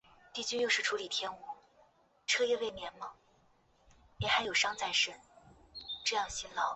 隐肺螺为阿地螺科隐肺螺属的动物。